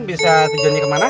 bisa tidurnya kemana